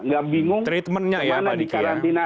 nggak bingung kemana di karantina